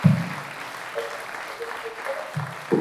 پر مني خبر ڪوئي پڙي ھي